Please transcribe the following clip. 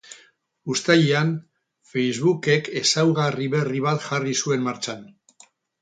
Uztailean, facebookek ezaugarri berri bat jarri zuen martxan.